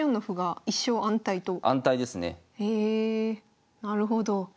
へえなるほど。